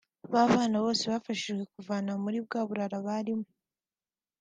Ba bana bose nabafashije kuva muri bwa burara barimo